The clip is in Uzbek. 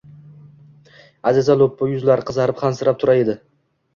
Аziza loʼppi yuzlari qizarib, hansirab tura edi.